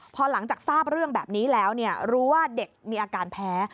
พอหลังจากทราบเรื่องแบบนี้แล้วรู้ว่าเด็กมีอาการแพ้